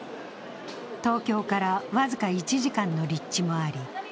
東京から僅か１時間の立地もあり